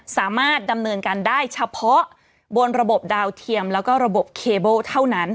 สามารถดำเนินการได้เฉพาะบนระบบดาวเทียมแล้วก็ระบบเคเบิลเท่านั้น